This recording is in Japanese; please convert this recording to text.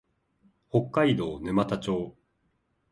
北海道沼田町